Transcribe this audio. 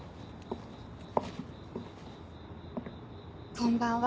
こんばんは。